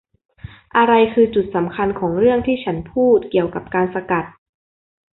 อะไรคือจุดสำคัญของเรื่องที่ฉันพูดเกี่ยวกับการสกัด ?